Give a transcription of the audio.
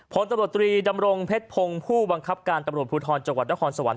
พตตดำรงเพชรพงษ์ผู้บังคัปการตำรวจภูทรจังหวัดลศสวรรค์